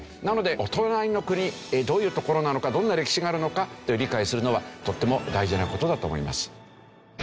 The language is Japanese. なのでお隣の国どういう所なのかどんな歴史があるのかと理解するのはとても大事な事だと思います。